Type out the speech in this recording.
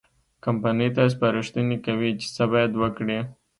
کمپنۍ ته سپارښتنې کوي چې څه باید وکړي.